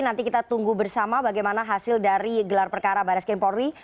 nanti kita tunggu bersama bagaimana hasil dari gelar perkara baris kempori